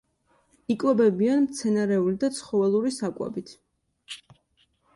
იკვებებიან მცენარეული და ცხოველური საკვებით.